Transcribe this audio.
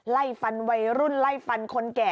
ไล่ฟันวัยรุ่นไล่ฟันคนแก่